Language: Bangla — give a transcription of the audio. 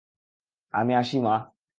আমি আসি মা।